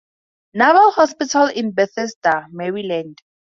Naval Hospital in Bethesda, Maryland.